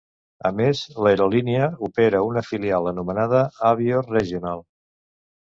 A més, l'aerolínia opera una filial anomenada Avior Regional.